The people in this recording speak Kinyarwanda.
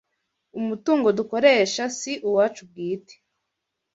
Umutungo dukoresha si uwacu bwite